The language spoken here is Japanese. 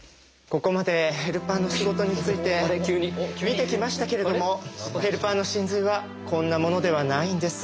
ここまでヘルパーの仕事について見てきましたけれどもヘルパーの神髄はこんなものではないんです。